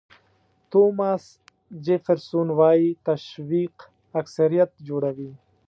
توماس جیفرسون وایي تشویق اکثریت جوړوي.